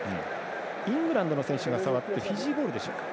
イングランドの選手が触ってフィジーボールでしょうか。